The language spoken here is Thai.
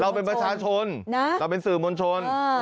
เราเป็นประชาชนเราเป็นสื่อมวลชน